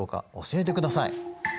教えてください」。